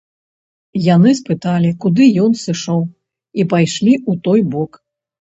Яны спыталі, куды ён сышоў, і пайшлі ў той бок.